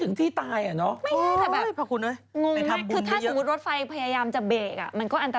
จับกิน